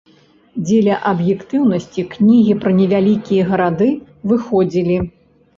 Дзеля аб'ектыўнасці, кнігі пра невялікія гарады выходзілі.